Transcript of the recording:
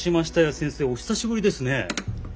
先生お久しぶりですね。